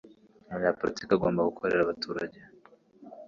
Umunyapolitiki agomba gukorera abaturage.